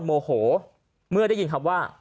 โมโหเมื่อได้ยินคำว่า